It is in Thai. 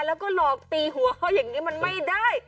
แล้วก็หลอกตีหัวเขาอย่างนี้มันไม่ได้